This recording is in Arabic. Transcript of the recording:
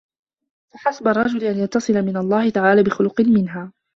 فَحَسْبُ الرَّجُلِ أَنْ يَتَّصِلَ مِنْ اللَّهِ تَعَالَى بِخُلُقٍ مِنْهَا